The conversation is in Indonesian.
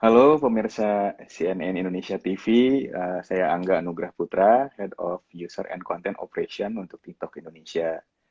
halo pemirsa cnn indonesia tv saya angga anugrah putra head of user and content operation untuk tiktok indonesia